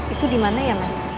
itu di mana ya mas